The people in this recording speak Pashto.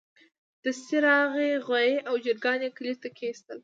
دستي راغی غوايي او چرګان يې کلي ته کېستل.